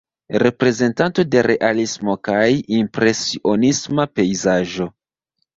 Reprezentanto de realismo kaj impresionisma pejzaĝo.